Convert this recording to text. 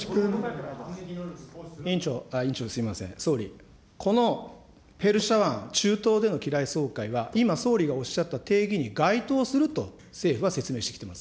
委員長、すみません、総理、このペルシャ湾、中東での機雷掃海は、今、総理がおっしゃった定義に該当すると、政府は説明してきています。